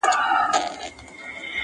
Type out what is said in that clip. زما پر ټوله وجود واک و اختیار ستا دی,